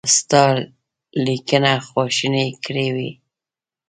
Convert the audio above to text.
ستا لیکنه خواشینی کړی وي.